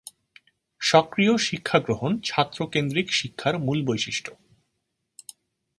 সক্রিয় শিক্ষা গ্রহণ ছাত্র-কেন্দ্রীক শিক্ষার মূল বৈশিষ্ট্য।